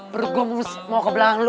perut gue mau kebelahan lu